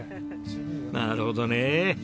なるほどねえ。